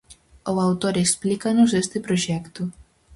O autor explícanos este proxecto.